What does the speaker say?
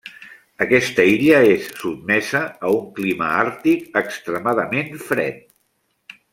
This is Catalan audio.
Aquesta illa és sotmesa a un clima àrtic extremadament fred.